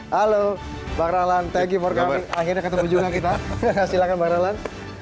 halo bang rahlan thank you for coming akhirnya ketemu juga kita silahkan bang rahlan